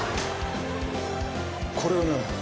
これはな